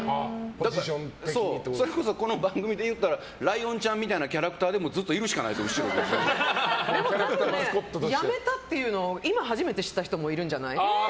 それこそこの番組で言ったらライオンちゃんみたいなキャラクターでやめたっていうの今初めて知った人もいるんじゃない？